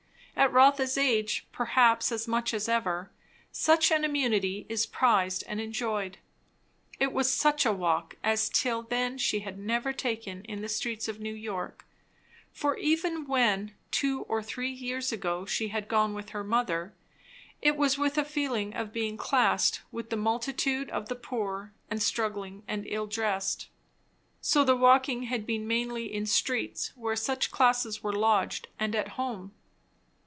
At Rotha's age, perhaps as much as ever, such an immunity is prized and enjoyed. It was such a walk as till then she had never taken in the streets of New York; for even when, two or three years ago, she had gone with her mother, it was with a feeling of being classed with the multitude of the poor and struggling and ill dressed. So the walking had been mainly in streets where such classes were lodged and at home.